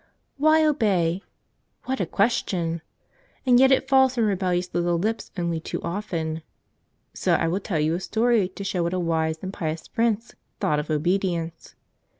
HY OBEY? What a question! And yet it falls from rebellious little lips only too often. So I will tell you a story to show what a wise and pious Prince thought of obedience.